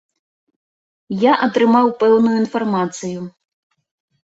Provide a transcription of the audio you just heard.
Я атрымаў пэўную інфармацыю.